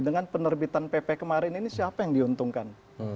dengan penerbitan pp kemarin ini siapa yang diuntungkan